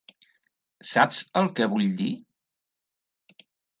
Saps el que vull dir?